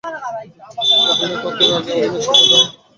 অভিনয় করতে হলে আগে অভিনয় শিখে আসতে হবে—এমনটা কোথাও লেখা নেই।